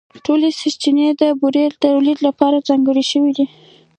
ټولې سرچینې د بورې د تولیدً لپاره ځانګړې شوې.